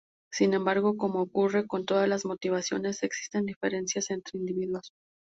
Sin embargo, como ocurre con todas las motivaciones, existen diferencias entre individuos.